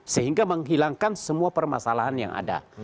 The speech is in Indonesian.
sehingga menghilangkan semua permasalahan yang ada